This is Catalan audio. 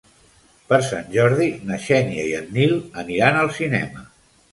Per Sant Jordi na Xènia i en Nil aniran al cinema.